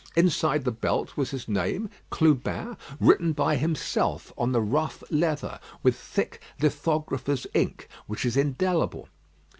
Inside the belt was his name "Clubin," written by himself on the rough leather, with thick lithographer's ink, which is indelible.